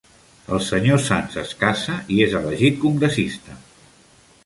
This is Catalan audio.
El Sr. Sands es casa i és elegit congressista.